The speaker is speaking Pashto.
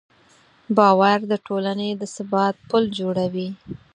باور د ټولنې د ثبات پل جوړوي.